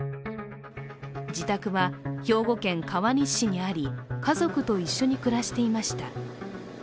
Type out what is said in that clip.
自宅は兵庫県川西市にあり、家族と一緒に暮らしていました。